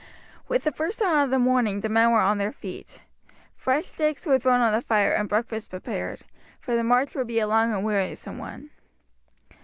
With the first dawn of morning the men were on their feet. Fresh sticks were thrown on the fire and breakfast prepared, for the march would be a long and wearisome one.